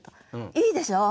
いいでしょう？